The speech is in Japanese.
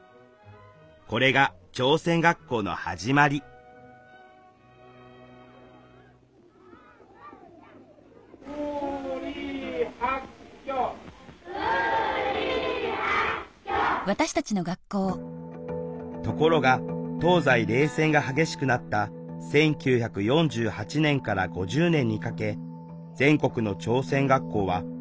これが朝鮮学校の始まりところが東西冷戦が激しくなった１９４８年から５０年にかけ全国の朝鮮学校はＧＨＱと日本政府によって強制的に閉鎖